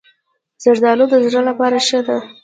زردالو د زړه لپاره ښه ده.